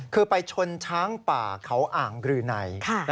คือไปชนช้างป่าเขาอ่างรืนัย